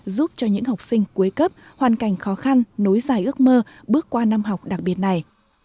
giúp cho những học sinh cuối cấp hoàn cảnh khó khăn nối dài ước mơ bước qua năm học đặc biệt này